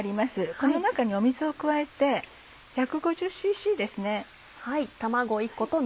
この中に水を加えて１５０ｃｃですね。